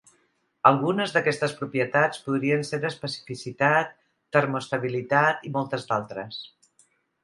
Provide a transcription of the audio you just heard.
Algunes d'aquestes propietats podrien ser especificitat, termoestabilitat i moltes d'altres.